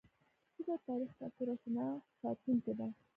ژبه د تاریخ، کلتور او شناخت ساتونکې ده.